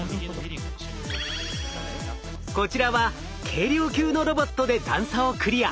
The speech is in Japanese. こちらは軽量級のロボットで段差をクリア。